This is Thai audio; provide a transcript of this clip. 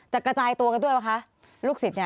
กระจายตัวกันด้วยป่ะคะลูกศิษย์เนี่ย